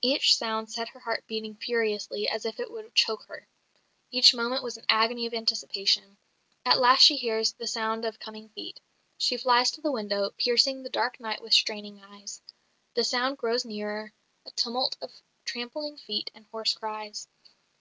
Each sound set her heart beating furiously as if it would choke her. Each moment was an agony of anticipation. At last she hears the sound of coming feet. She flies to the window, piercing the dark night with straining eyes. The sound grows nearer, a tumult of trampling feet and hoarse cries.